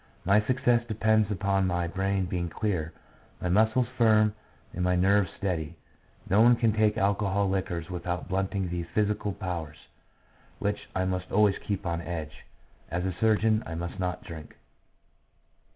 My success depends upon my brain being clear, my muscles firm, and my nerves steady. No one can take alcoholic liquors without blunting these physical powers, which I must always keep on edge. As a surgeon I must not drink."